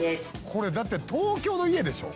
「これだって東京の家でしょ？」